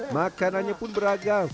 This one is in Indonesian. makanannya pun beragam